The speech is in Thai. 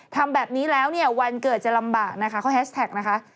ทำแบบนี้แล้วเนี่ยวันเกิดจะลำบากนะคะเขาแฮชแท็กนะคะ